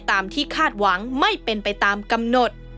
ตามที่คาดหวังไม่เป็นไปตามกำหนด